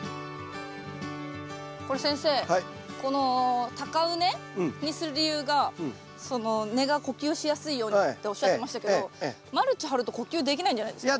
これ先生この高畝にする理由が根が呼吸しやすいようにっておっしゃってましたけどマルチ張ると呼吸できないんじゃないですか？